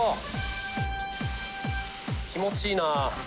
気持ちいいな。